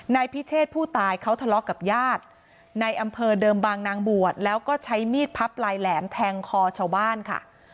นายพิเชษผู้ตายเขาทะเลาะกับญาติในอำเภอเดิมบางนางบวชแล้วก็ใช้มีดพับลายแหลมแทงคอชาวบ้านค่ะ